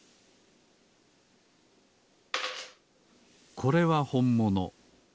これはほんもの。